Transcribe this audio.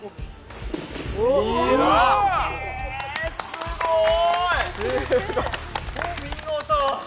すごい！◆見事。